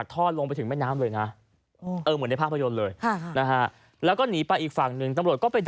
ใครว่าการสร้างแรงบังคัดขั้น